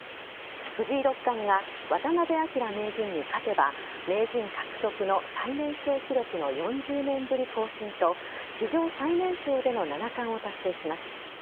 藤井六冠が渡辺明名人に勝てば名人獲得の最年少記録の４０年ぶり更新と史上最年少での七冠を達成します。